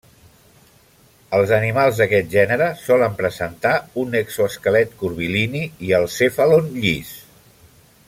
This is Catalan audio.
Els animals d’aquest gènere solen presentar un exoesquelet curvilini i el cèfalon llis.